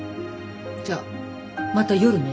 じゃあまた夜ね。